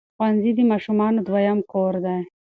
ښوونځي د ماشومانو دویم کور دی.